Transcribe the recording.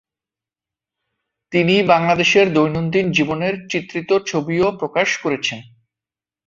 তিনি বাংলাদেশের দৈনন্দিন জীবনের চিত্রিত ছবিও প্রকাশ করেছেন।